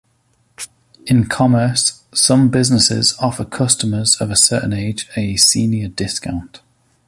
In commerce, some businesses offer customers of a certain age a "senior discount".